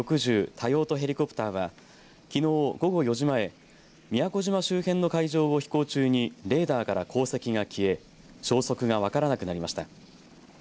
多用途ヘリコプターはきのう午後４時前宮古島周辺の海上を飛行中にレーダーから航跡が消え消息が分からなくなりました。